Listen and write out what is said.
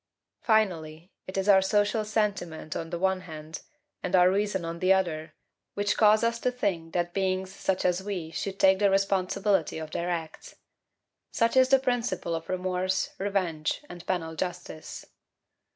Finally, it is our social sentiment on the one hand, and our reason on the other, which cause us to think that beings such as we should take the responsibility of their acts. Such is the principle of remorse, revenge, and penal justice.